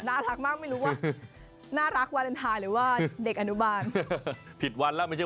น่ารักใช่หรือว่าเด็กอนุบาลผิดวันแล้วไม่ใช่